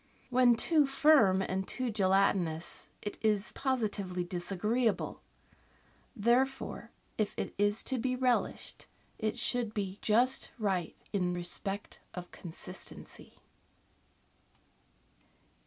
When too firm and too gelatinous it is positively disagreeable; therefore, if it is to be relished, it should be just right in respect of consistency.